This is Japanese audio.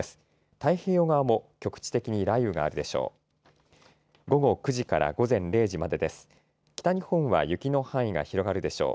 太平洋側も局地的に雷雨があるでしょう。